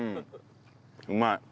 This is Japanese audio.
うまい。